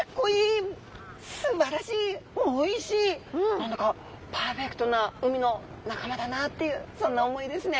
何だかパーフェクトな海の仲間だなっていうそんな思いですね。